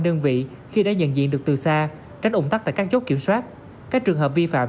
đơn vị khi đã nhận diện được từ xa tránh ủng tắc tại các chốt kiểm soát các trường hợp vi phạm